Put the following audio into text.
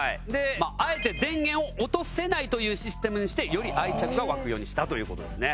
あえて電源を落とせないというシステムにしてより愛着が湧くようにしたという事ですね。